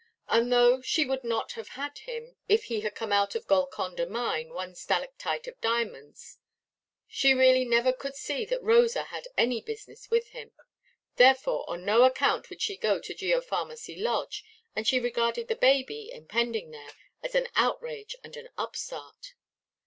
And though she would not have had him, if he had come out of Golconda mine, one stalactite of diamonds, she really never could see that Rosa had any business with him. Therefore, on no account would she go to Geopharmacy Lodge, and she regarded the baby, impending there, as an outrage and an upstart.